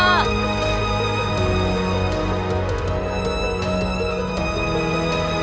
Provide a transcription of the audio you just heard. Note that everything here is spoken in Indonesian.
apaan kasta diplom attitudes gouken waktu sama mama